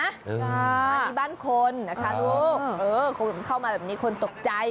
อันนี้บ้านคนนะคะลูกเออคนเข้ามาแบบนี้คนตกใจ